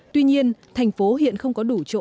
tuy nhiên thành phố hiện không có đủ chỗ